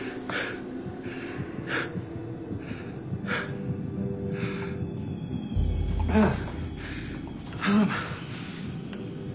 ああああ！